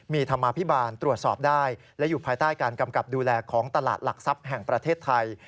มีธรรมาภิบาลตรวจสอบได้และอยู่ภายใต้การกำกับดูแลของตลาดหลักทรัพย์แห่งประเทศไทย